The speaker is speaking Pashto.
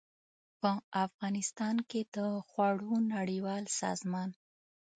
په افغانستان کې د خوړو نړیوال سازمان